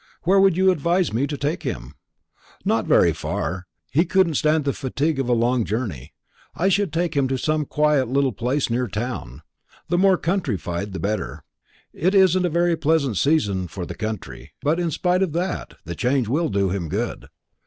"Where would you advise me to take him?" "Not very far. He couldn't stand the fatigue of a long journey. I should take him to some quiet little place near town the more countrified the better. It isn't a very pleasant season for the country; but in spite of that, the change will do him good."